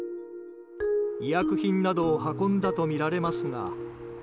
医薬品などを運んだとみられますが。